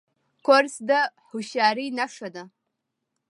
کورس د هوښیارۍ نښه ده.